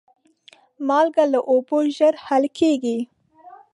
مالګه له اوبو ژر حل کېږي.